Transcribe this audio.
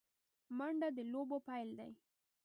منډه د لوبو پیل دی